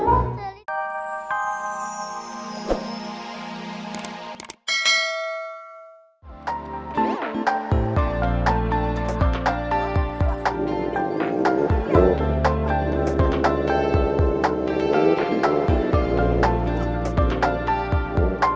mari kita masuk